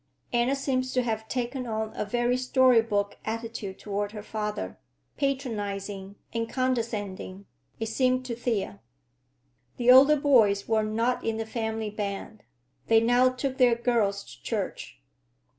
Anna seemed to have taken on a very story book attitude toward her father; patronizing and condescending, it seemed to Thea. The older boys were not in the family band. They now took their girls to church.